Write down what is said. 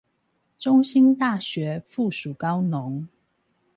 中興大學附屬高農